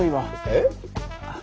えっ？